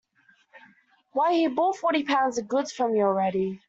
Why, he's bought forty pounds of goods from you already.